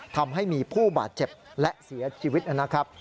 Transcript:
ทำให้มีผู้บาดเจ็บและเสียชีวิตนะครับ